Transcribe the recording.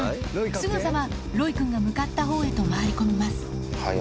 すぐさまロイくんが向かった方へと回り込みます